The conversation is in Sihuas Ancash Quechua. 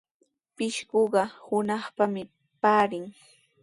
Pishquqa hunaqpami paarin.